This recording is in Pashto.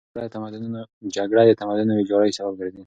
جګړه د تمدنونو د ویجاړۍ سبب ګرځي.